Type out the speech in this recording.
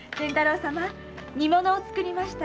煮物を作りました。